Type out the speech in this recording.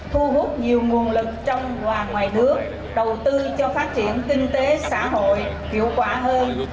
thu hút nhiều nguồn lực trong và ngoài nước đầu tư cho phát triển kinh tế xã hội hiệu quả hơn